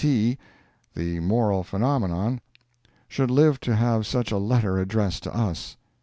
T., The Moral Phenomenon," should live to have such a letter addressed to us.